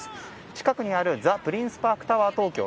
近くにあるザ・プリンスパークタワー